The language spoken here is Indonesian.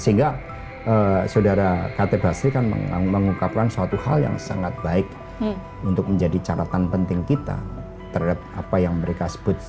sehingga saudara kt basri kan mengungkapkan suatu hal yang sangat baik untuk menjadi catatan penting kita terhadap apa yang mereka sebut